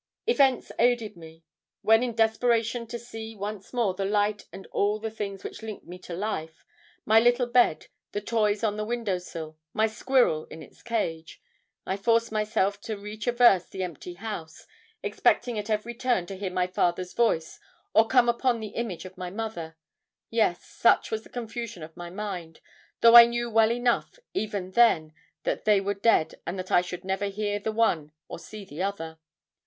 "Events aided me. When, in desperation to see once more the light and all the things which linked me to life my little bed, the toys on the window sill, my squirrel in its cage I forced myself to retraverse the empty house, expecting at every turn to hear my father's voice or come upon the image of my mother yes, such was the confusion of my mind, though I knew well enough even then that they were dead and that I should never hear the one or see the other.